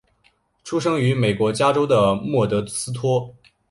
出生于美国加州的莫德斯托。